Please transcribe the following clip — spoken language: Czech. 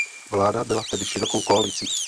Vláda byla tedy širokou koalicí.